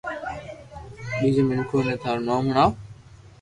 ٻيجو مينکو ني ٿارو نوم ھڻاو